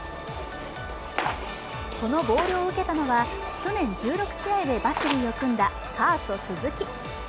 このボールを受けたのは去年１６試合でバッテリーを組んだカート・スズキ。